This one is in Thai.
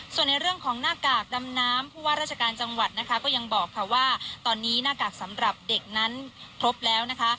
ส่วนในเรื่องของหน้ากากดำน้ำผู้ว่าราชการจังหวัดนะคะก็ยังบอกค่ะว่าตอนนี้หน้ากากสำหรับเด็กนั้นครบแล้วนะคะ